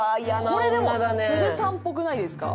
これでもつるさんっぽくないですか？